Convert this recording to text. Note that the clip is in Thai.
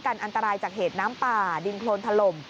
อันตรายจากเหตุน้ำป่าดินโครนถล่ม